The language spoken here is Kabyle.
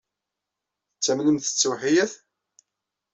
Tettamnemt s ttewḥeyyat?